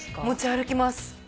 持ち歩きます。